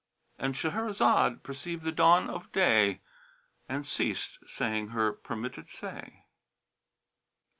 And Shahrazad perceived the dawn of day and ceased saying her permitted say.